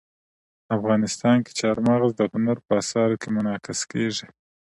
افغانستان کې چار مغز د هنر په اثار کې منعکس کېږي.